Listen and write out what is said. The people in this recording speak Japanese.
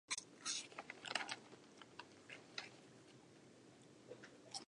俺たちが帰ってきたら、一ページ残らず聞くからな。もしちょっとでも飛ばしていたら承知しないぞ。